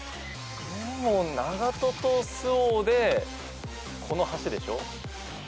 でも長門と周防でこの橋でしょ。